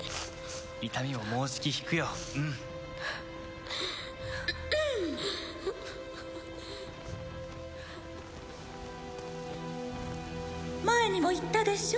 痛みももうじき引くようん前にも言ったでしょ？